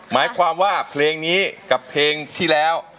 หมายความว่าเพลงนี้กับเพลงที่แล้ว